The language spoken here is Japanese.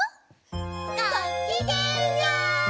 ごきげんよう！